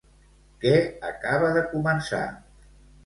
Què acaba de començar?